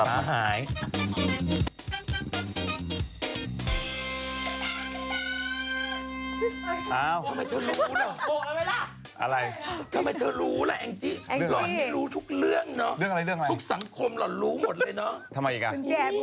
ตายแล้วอีกกันแล้วเกด